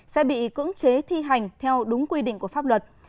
sẽ bị cưỡng chế thi hành theo đúng quy định của pháp luật